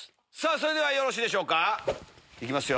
それではよろしいでしょうかいきますよ。